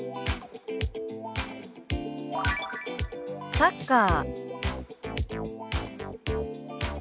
「サッカー」。